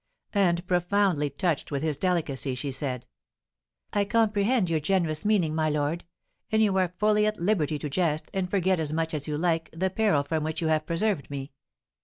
And, profoundly touched with his delicacy, she said: "I comprehend your generous meaning, my lord; and you are fully at liberty to jest and forget as much as you like the peril from which you have preserved me.